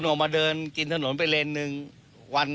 คุณออกมาเดินกินถนนไปเล่น๑วัน